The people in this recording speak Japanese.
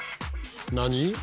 何？